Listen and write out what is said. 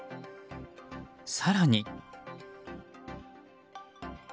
更に。